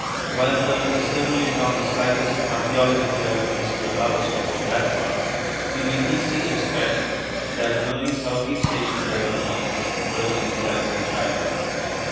While there is certainly not the slightest archeological evidence to allow us to go that far, we may easily expect that an early southeast Asian development would have been felt in China.